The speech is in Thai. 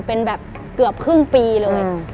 เป็นแบบเกือบครึ่งปีเลย